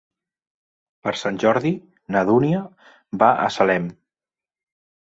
Per Sant Jordi na Dúnia va a Salem.